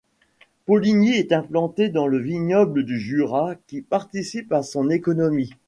Poligny est implantée dans le vignoble du Jura qui participe à son économie.